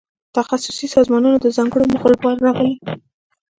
تخصصي سازمانونه د ځانګړو موخو لپاره راغلي.